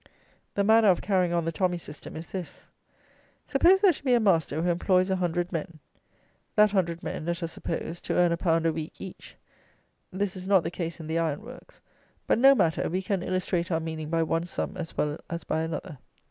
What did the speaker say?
The manner of carrying on the tommy system is this: suppose there to be a master who employs a hundred men. That hundred men, let us suppose, to earn a pound a week each. This is not the case in the iron works; but no matter, we can illustrate our meaning by one sum as well as by another.